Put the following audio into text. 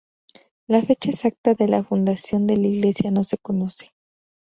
La fecha exacta de la fundación de la iglesia no se conoce.